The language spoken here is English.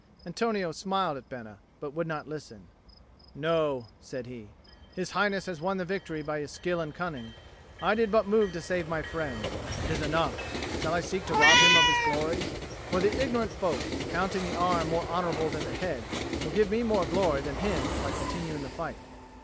Antonio smiled at Bena, but would not listen. "No," said he. "His Highness has won the victory by his skill and cunning. I did but move to save my friends. It is enough. Shall I seek to rob him of his glory? For the ignorant folk, counting the arm more honourable than the head, will give me more glory than him if I continue in the fight."